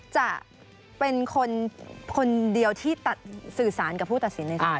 จะเป็นคนเดียวที่สื่อสารกับผู้ตัดสินในศาล